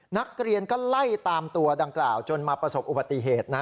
นักเรียนก็ไล่ตามตัวดังกล่าวจนมาประสบอุบัติเหตุนะ